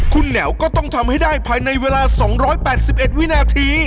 คุณแหววก็ต้องทำให้ได้ภายในเวลา๒๘๑วินาที